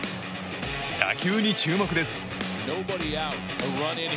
打球に注目です。